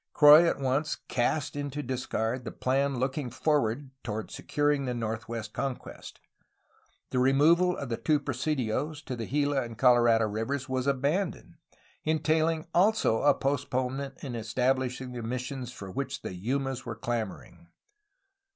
Croix at once cast into the discard the plans looking toward securing the northwestward conquest. The removal of the two presidios to the Gila and Colorado rivers was abandoned, entaiUng also a postponement in establishing the missions for which the Yumas were clamor ing.